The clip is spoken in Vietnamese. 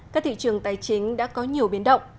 các thị trường tài chính đã có nhiều biến động